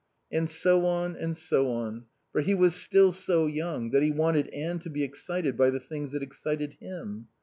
And so on and so on, for he was still so young that he wanted Anne to be excited by the things that excited him.